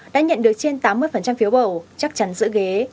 đã nhận được trên tám mươi phiếu bầu chắc chắn giữ ghế